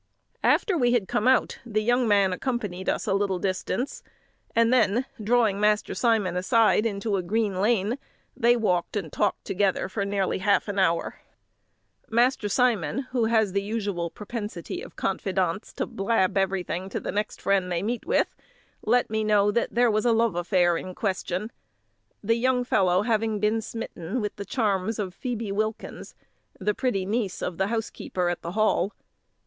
After we had come out, the young man accompanied us a little distance, and then, drawing Master Simon aside into a green lane, they walked and talked together for nearly half an hour. Master Simon, who has the usual propensity of confidants to blab everything to the next friend they meet with, let me know that there was a love affair in question; the young fellow having been smitten with the charms of Phoebe Wilkins, the pretty niece of the housekeeper at the Hall.